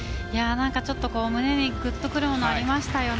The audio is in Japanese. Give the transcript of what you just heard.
ちょっと胸にぐっとくるものありましたよね。